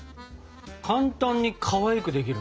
簡単にかわいくできるね！